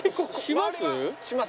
します？